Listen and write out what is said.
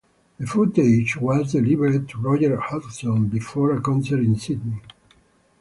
The footage was delivered to Roger Hodgson before a concert in Sydney.